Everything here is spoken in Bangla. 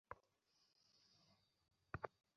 আমার উপর লাইন মারার চেষ্টা করো না।